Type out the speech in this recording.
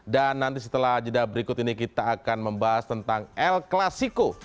dan nanti setelah jeda berikut ini kita akan membahas tentang el clasico